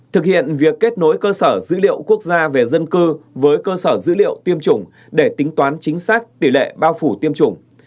thực hiện việc kết nối cơ sở dữ liệu quốc gia về dân cư với cơ sở dữ liệu tiêm chủng để tính toán chính xác tỷ lệ bao phủ tiêm chủng